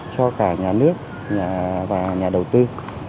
cho cả nhà nước và nhà đầu tư